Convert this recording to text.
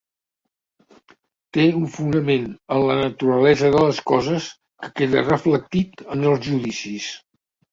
Té un fonament en la naturalesa de les coses que queda reflectit en els judicis.